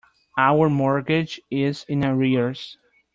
Our mortgage is in arrears.